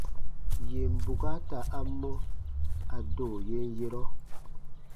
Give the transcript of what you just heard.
Yèn bukaata a mɔ, a do yen yerɔ.